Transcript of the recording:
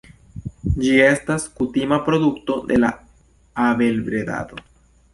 Ĝi estas kutima produkto de la abelbredado.